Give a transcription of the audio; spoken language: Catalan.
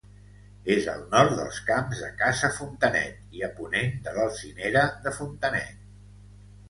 És al nord dels Camps de Casa Fontanet i a ponent de l'Alzinera de Fontanet.